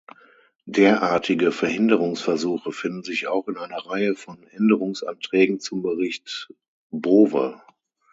Derartige Verhinderungsversuche finden sich auch in einer Reihe von Änderungsanträgen zum Bericht Bowe.